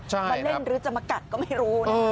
มาเล่นหรือจะมากัดก็ไม่รู้นะ